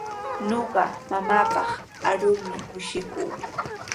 Ñuqa mamaapaq arurmi kushikuu.